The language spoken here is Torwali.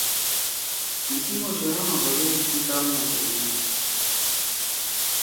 تیِسی مشورہ ما بغیر کی کام نہ کؤدُود